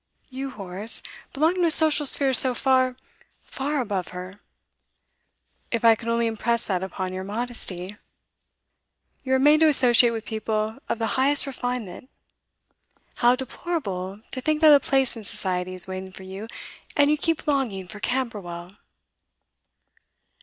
You, Horace, belong to a social sphere so far, far above her. If I could only impress that upon your modesty. You are made to associate with people of the highest refinement. How deplorable to think that a place in society is waiting for you, and you keep longing for Camberwell!